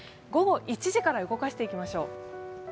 午後１時から動かしていきましょう